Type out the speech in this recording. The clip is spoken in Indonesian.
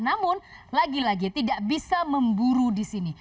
namun lagi lagi tidak bisa memburu di sini